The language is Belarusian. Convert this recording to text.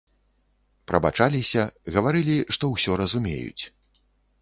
Прабачаліся, гаварылі, што ўсё разумеюць.